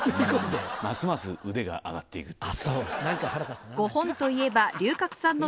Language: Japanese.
ますます腕が上がっていくっていう。